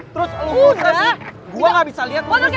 terus lu frustasi gua gak bisa liat lu frustasi